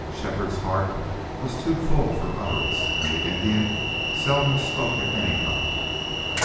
Shefford's heart was too full for utterance and the Indian seldom spoke at any time.